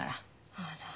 あら。